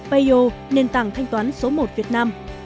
payo nền tảng thanh toán số một việt nam